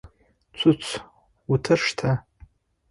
Цуц, утыр штэ!